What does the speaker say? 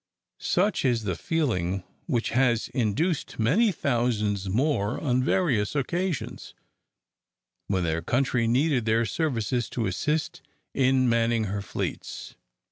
Such is the feeling which has induced many thousands more on various occasions, when their country needed their services to assist in manning her fleets.